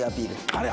あれ。